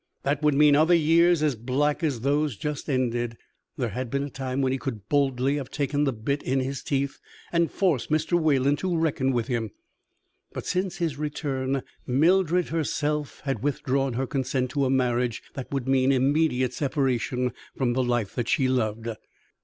That would mean other years as black as those just ended. There had been a time when he could boldly have taken the bit in his teeth and forced Mr. Wayland to reckon with him, but since his return Mildred herself had withdrawn her consent to a marriage that would mean immediate separation from the life that she loved.